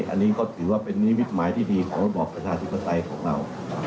อันนี้ก็ถือว่าเป็นนิมิตหมายที่ดีของระบอบประชาธิปไตยของเรา